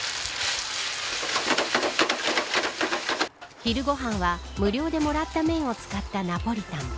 昼ご飯は、無料でもらった麺を使ったナポリタン。